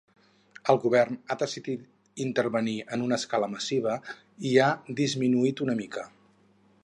El govern ha decidit intervenir en una escala massiva i ha disminuït una mica.